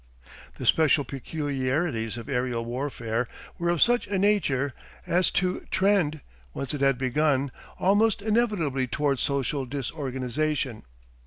The special peculiarities of aerial warfare were of such a nature as to trend, once it had begun, almost inevitably towards social disorganisation.